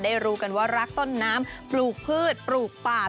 รู้กันว่ารักต้นน้ำปลูกพืชปลูกป่า